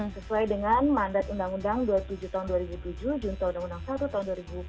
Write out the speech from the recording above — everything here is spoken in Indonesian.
sesuai dengan mandat undang undang dua puluh tujuh tahun dua ribu tujuh juntau undang undang satu tahun dua ribu empat belas